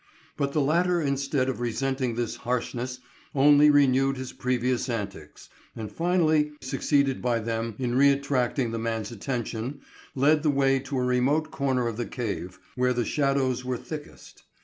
But the latter instead of resenting this harshness only renewed his previous antics, and finally succeeding by them in re attracting the man's attention, led the way to a remote corner of the cave, where the shadows were thickest.